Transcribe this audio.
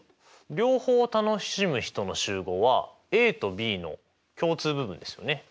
両方楽しむ人の集合はＡとＢの共通部分ですよね。